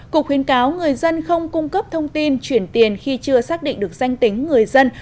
cục khuyến cáo người dân không cung cấp thông tin chuyển tiền khi chưa xác định được danh tính người dân